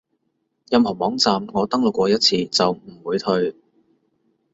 任何網站我登錄過一次就唔會退